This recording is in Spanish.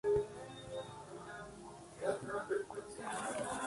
El Templete es la imagen de la ciudad.